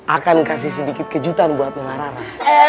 akan kasih sedikit kejutan buat nona rara